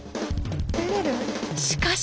しかし。